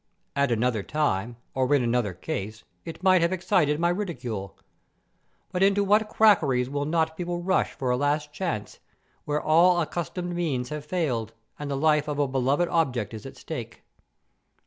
At another time, or in another case, it might have excited my ridicule. But into what quackeries will not people rush for a last chance, where all accustomed means have failed, and the life of a beloved object is at stake?